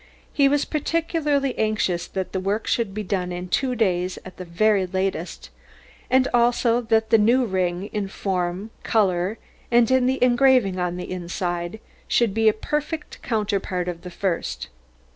He was particularly anxious that the work should be done in two days at the very latest, and also that the new ring, in form, colour, and in the engraving on the inside, should be a perfect counterpart of the first.